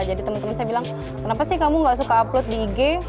jadi teman teman saya bilang kenapa kamu tidak suka upload di ig